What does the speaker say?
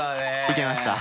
いけました。